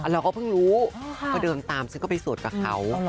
เราก็เพิ่งรู้ก็เดินตามฉันก็ไปสวดกับเขา